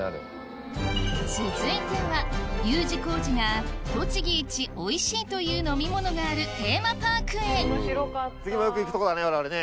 続いてはＵ字工事が栃木いちおいしいという飲み物があるテーマパークへいいね